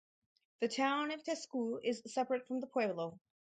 The town of Tesuque is separate from the pueblo.